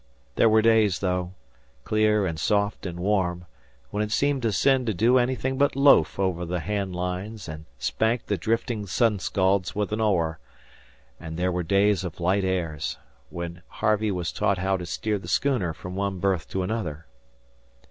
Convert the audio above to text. There were days, though, clear and soft and warm, when it seemed a sin to do anything but loaf over the hand lines and spank the drifting "sun scalds" with an oar; and there were days of light airs, when Harvey was taught how to steer the schooner from one berth to another.